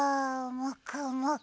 もくもく。